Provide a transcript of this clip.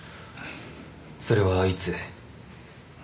それはいつ？